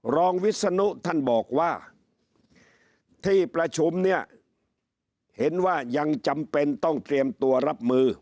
รองวิศนุท่านบอกว่าที่ประชุมเนี่ยเห็นว่ายังจำเป็นต้องเตรียมตัวรับมือ